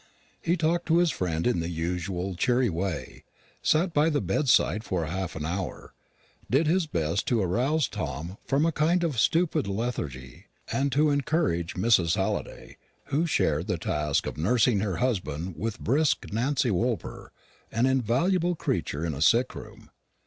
He talked to his friend in the usual cheery way; sat by the bedside for half an hour; did his best to arouse Tom from a kind of stupid lethargy, and to encourage Mrs. Halliday, who shared the task of nursing her husband with brisk Nancy Woolper, an invaluable creature in a sick room.